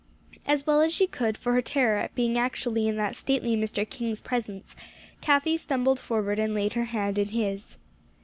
As well as she could for her terror at being actually in that stately Mr. King's presence, Cathie stumbled forward and laid her hand in his.